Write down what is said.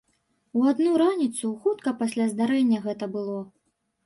У адну раніцу, хутка пасля здарэння гэта было.